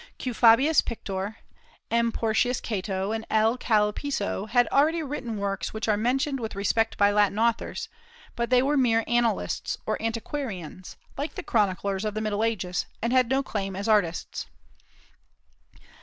Q. Fabius Pictor, M. Portius Cato, and L. Cal. Piso had already written works which are mentioned with respect by Latin authors, but they were mere annalists or antiquarians, like the chroniclers of the Middle Ages, and had no claim as artists.